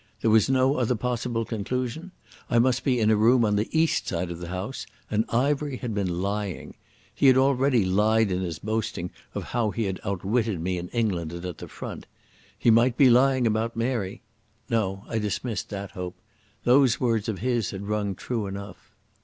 There was no other possible conclusion, I must be in a room on the east side of the house, and Ivery had been lying. He had already lied in his boasting of how he had outwitted me in England and at the Front. He might be lying about Mary.... No, I dismissed that hope. Those words of his had rung true enough.